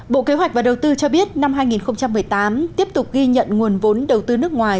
bộ kế hoạch và đầu tư cho biết năm hai nghìn một mươi tám tiếp tục ghi nhận nguồn vốn đầu tư nước ngoài